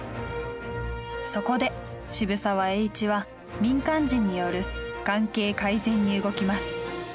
そこで、渋沢栄一は民間人による関係改善に動きます。